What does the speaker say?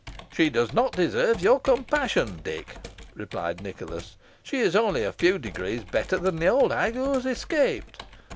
"She does not deserve your compassion, Dick," replied Nicholas; "she is only a few degrees better than the old hag who has escaped.